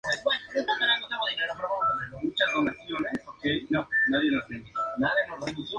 Luego estudió en la Universidad de Montreal, donde se especializó en cine.